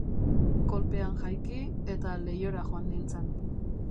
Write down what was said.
Kolpean jaiki, eta leihora joan nintzen.